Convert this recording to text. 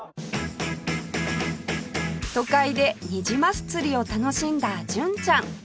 都会でニジマス釣りを楽しんだ純ちゃん